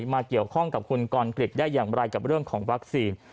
มาเกี่ยวข้องกับคุณกรกริจได้อย่างไรกับเรื่องของวัคซีน